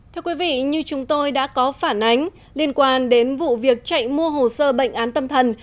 thưa quý vị như chúng tôi đã có phản ánh liên quan đến vụ việc chạy mua hồ sơ bệnh án tâm thần